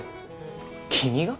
君が？